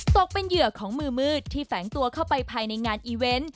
ตกเป็นเหยื่อของมือมืดที่แฝงตัวเข้าไปภายในงานอีเวนต์